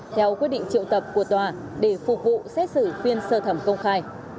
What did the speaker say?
theo quyết định triệu tập của tòa để phục vụ xét xử phiên sơ thẩm công khai